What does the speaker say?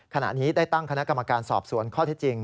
ขณะนี้ได้ตั้งคณะกรรมการสอบสวนข้อที่จริง